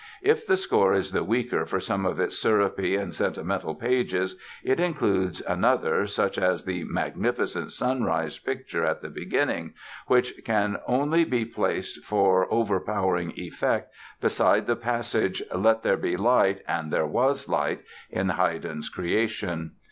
If the score is the weaker for some of its syrupy and sentimental pages it includes another, such as the magnificent sunrise picture at the beginning, which can only be placed for overpowering effect beside the passage "Let there be Light and there was Light" in Haydn's Creation.